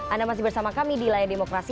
anda masih bersama kami di layar demokrasi